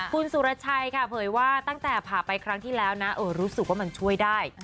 คุณสุรชัยค่ะเผยว่าตั้งแต่ผ่าไปครั้งที่แล้วนะรู้สึกว่ามันช่วยได้